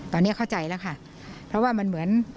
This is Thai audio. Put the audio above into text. ตอนนี้เข้าใจแล้วค่ะเพราะว่ามันเหมือน